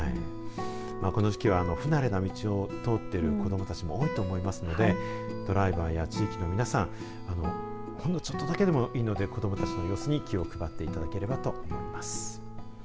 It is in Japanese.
この時期は不慣れな道を通っている子どもたちも多くいますのでドライバーや地域の皆さんほんのちょっとだけでもいいので子どもたちの様子に気を配っていただければと思います。